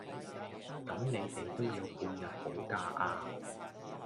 咁你哋都有半日補假呀